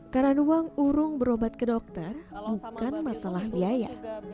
karanuang urung berobat ke dokter bukan masalah biaya